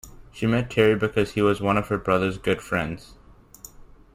She met Terry because he was one of her brother's good friends.